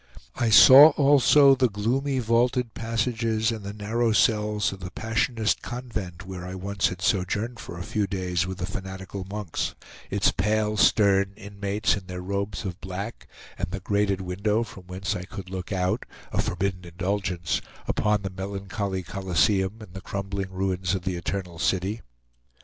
I saw also the gloomy vaulted passages and the narrow cells of the Passionist convent where I once had sojourned for a few days with the fanatical monks, its pale, stern inmates in their robes of black, and the grated window from whence I could look out, a forbidden indulgence, upon the melancholy Coliseum and the crumbling ruins of the Eternal City.